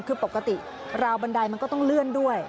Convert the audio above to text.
คือปกติราวบันไดมันก็ต้องเลื่อนด้วย